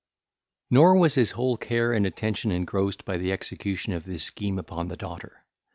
Nor was his whole care and attention engrossed by the execution of this scheme upon the daughter.